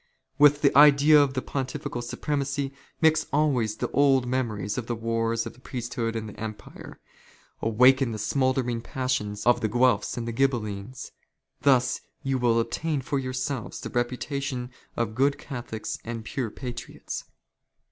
" With the idea of the Pontifical supremacy, mix always the old " memories of the wars of the priesthood and the Empire. *' Awaken the smouldering passions of the Guelphs and the " Ghibellines, and thus you will obtain for yourselves the '^ reputation of good Catholics and pure patriots.